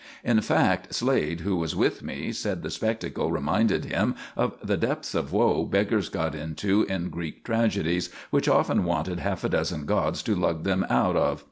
In fact, Slade, who was with me, said the spectacle reminded him of the depths of woe beggars got into in Greek tragedies, which often wanted half a dozen gods to lug them out of.